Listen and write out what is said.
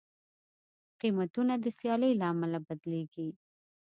قیمتونه د سیالۍ له امله بدلېږي.